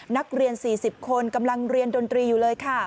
นักเรียน๔๐คนกำลังเรียนดนตรีอยู่เลยค่ะ